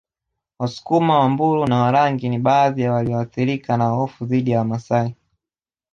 Wasukuma Wambulu na Warangi ni baadhi ya walioathirika na hofu dhidi ya Wamasai